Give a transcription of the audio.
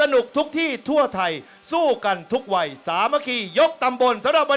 และที่ขาดไม่ได้เลยก็คือผู้ใหญ่ใจดีของเรานะคะ